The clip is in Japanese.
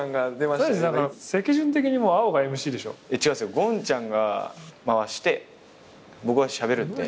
ゴンちゃんが回して僕はしゃべるんで。